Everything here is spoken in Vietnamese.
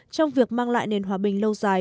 trong việc mang lại nền hòa bình lâu dài